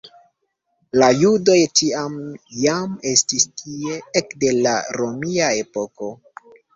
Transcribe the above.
La judoj tiam jam estis tie ekde la romia epoko.